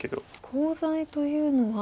コウ材というのは。